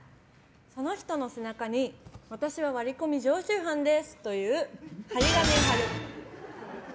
その人の背中に私は割り込み常習犯ですという貼り紙を貼る。